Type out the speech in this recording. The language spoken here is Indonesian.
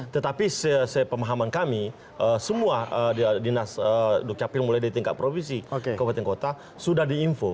tetapi sepemahaman kami semua dinas dukcapil mulai di tingkat provinsi kabupaten kota sudah diinfo